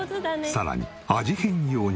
さらに味変用に。